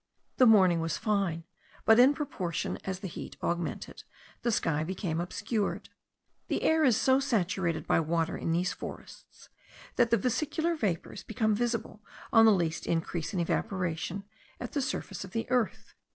The morning was fine; but, in proportion as the heat augmented, the sky became obscured. The air is so saturated by water in these forests, that the vesicular vapours become visible on the least increase of evaporation at the surface of the earth.